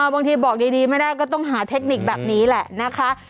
บางทีบอกดีไม่ได้ก็ต้องหาเทคนิคแบบนี้แหละนะคะ